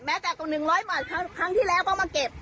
แม้แต่กับ๑๐๐บาทครั้งที่แล้วเขามาเก็บ